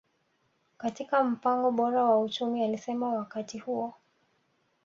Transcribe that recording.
katika mpango bora wa uchumi alisema wakati huo